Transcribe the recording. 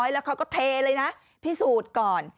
แล้วเขาก็เทเลยนะพิสูจน์ก่อน